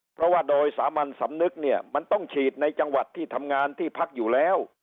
เพราะว่าโดยสามัญสำนึกเนี่ยมันต้องฉีดในจังหวัดที่ทำงานที่พักอยู่แล้ว